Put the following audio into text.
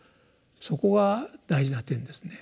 そこが大事な点ですね。